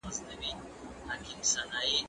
زه اوږده وخت سړو ته خواړه ورکوم!!